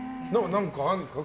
何かあるんですか？